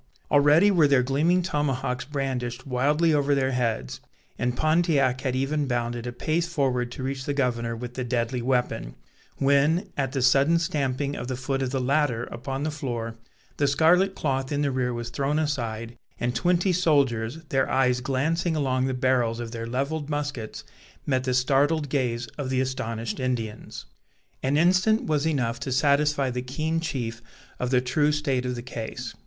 Already were their gleaming tomahawks brandished wildly over their heads, and Pontiac had even bounded a pace forward to reach the governor with the deadly weapon, when, at the sudden stamping of the foot of the latter upon the floor, the scarlet cloth in the rear was thrown aside, and twenty soldiers, their eyes glancing along the barrels of their levelled muskets, met the startled gaze of the astonished Indians. An instant was enough to satisfy the keen chief of the true state of the case.